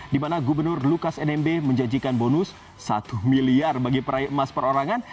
di mana gubernur lukas nmb menjanjikan bonus satu miliar bagi peraih emas perorangan